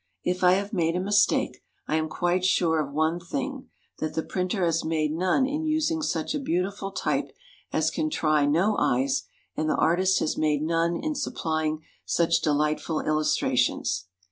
If I have made a mistake, I am quite sure of one thing, that the printer has made none in using such a beautiful type as can try no eyes ; and the artist has made none in supplying such delightful illustrations.